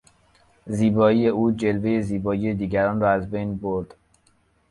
زیبایی او جلوهی زیبایی دیگران را از بین برد.